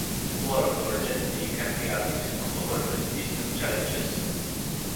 Work for Gen Z can be a mix of opportunities and challenges.